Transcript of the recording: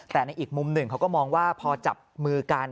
แต่ในอีกมุมหนึ่งเขาก็มองว่าพอจับมือกัน